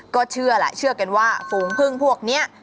ก็เชื่อแหละเชื่อกันว่าฝูงพึ่งพวกนี้